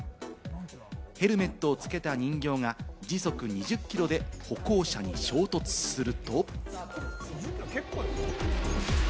ヘルメットを着けた人形が時速２０キロで歩行者に衝突すると。